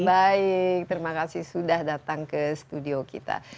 baik terima kasih sudah datang ke studio kita